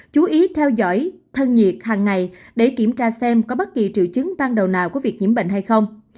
chú ý theo dõi thân nhiệt hàng ngày để kiểm tra xem có bất kỳ triệu chứng ban đầu nào của việc nhiễm bệnh hay không